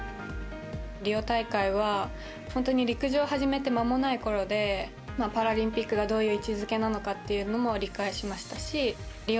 リオ大会は、本当に陸上始めてまもないころでパラリンピックがどういう位置づけなのかっていうのも理解しましたしリオ